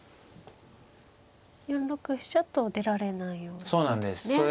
４六飛車と出られないようにですね。